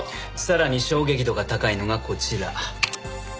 さらに衝撃度が高いのがこちら。